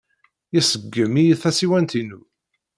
Iṣeggem-iyi tasiwant-inu.